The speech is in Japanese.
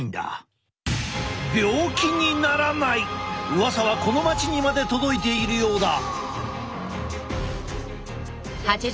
うわさはこの町にまで届いているようだ。